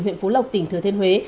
huyện phú lộc tỉnh thừa thiên huế